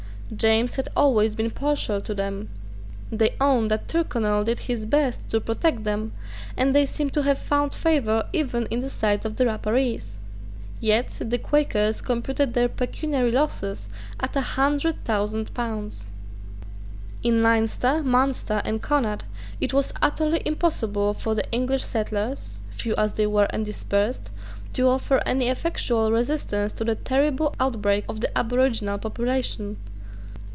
James had always been partial to them: they own that Tyrconnel did his best to protect them; and they seem to have found favour even in the sight of the Rapparees, Yet the Quakers computed their pecuniary losses at a hundred thousand pounds, In Leinster, Munster and Connaught, it was utterly impossible for the English settlers, few as they were and dispersed, to offer any effectual resistance to this terrible outbreak of the aboriginal population.